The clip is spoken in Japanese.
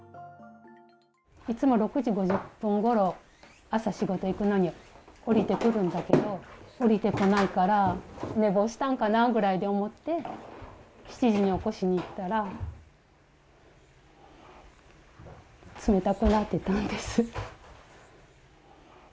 いつも６時５０分ごろ、朝、仕事行くのに下りてくるんだけど、下りてこないから、寝坊したんかなぐらいに思って、７時に起こしに行ったら、冷たくなってたんです。